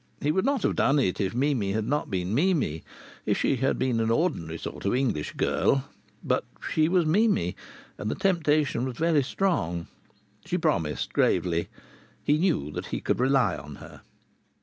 He would not have done it if Mimi had not been Mimi if she had been an ordinary sort of English girl. But she was Mimi. And the temptation was very strong. She promised, gravely. He knew that he could rely on her.